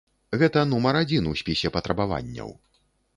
Гэта нумар адзін у спісе патрабаванняў.